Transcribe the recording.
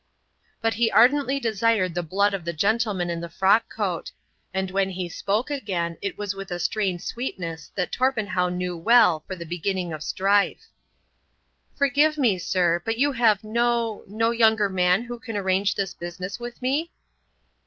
But he ardently desired the blood of the gentleman in the frockcoat, and when he spoke again, and when he spoke again it was with a strained sweetness that Torpenhow knew well for the beginning of strife. "Forgive me, sir, but you have no—no younger man who can arrange this business with me?"